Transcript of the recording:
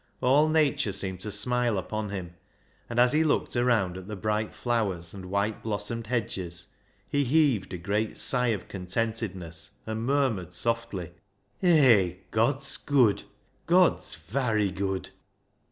All nature seemed to smi!e upon him, and as he looked around at the bright flowers and white blossomed hedges, he heaved a great sigh of contentedness, and murmured softly —" Hay ! God's good ! God's varry good